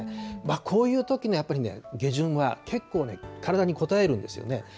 こういうときにやっぱり下旬はけっこう、体にこたえるんですよね。